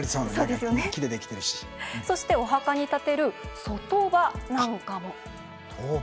そしてお墓に立てる卒塔婆なんかも。